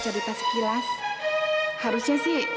suara alhamdulillah apertkers